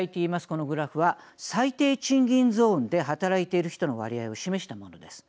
このグラフは最低賃金ゾーンで働いている人の割合を示したものです。